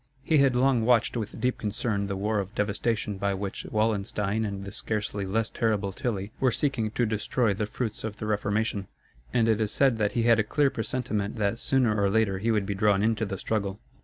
He had long watched with deep concern the war of devastation by which Wallenstein and the scarcely less terrible Tilly were seeking to destroy the fruits of the Reformation; and it is said that he had a clear presentiment that sooner or later he would be drawn into the struggle.